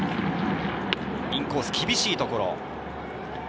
インコース、厳しいところ。